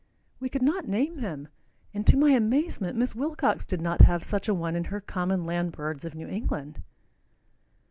We could not name him, and to my amazement Miss Wilcox did not have such a one in her "Common Land Birds of New England."